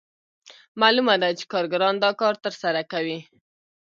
معلومه ده چې کارګران دا کار ترسره کوي